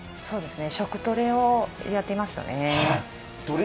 食トレをやってましたね。